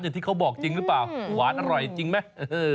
ที่เขาบอกจริงหรือเปล่าหวานอร่อยจริงไหม